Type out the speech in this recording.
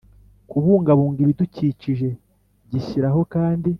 kubungabunga ibidukikije Gishyiraho kandi